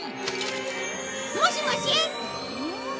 もしもし？